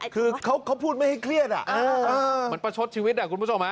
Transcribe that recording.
คือเขาพูดไม่ให้เครียดอ่ะมันประชดชีวิตอ่ะคุณผู้ชม